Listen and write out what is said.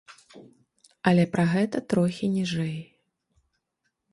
Але пра гэта трохі ніжэй.